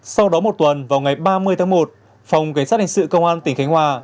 sau đó một tuần vào ngày ba mươi tháng một phòng cảnh sát hình sự công an tỉnh khánh hòa